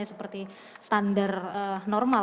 seperti standar normal